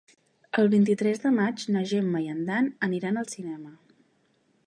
El vint-i-tres de maig na Gemma i en Dan aniran al cinema.